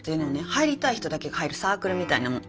入りたい人だけが入るサークルみたいなもん。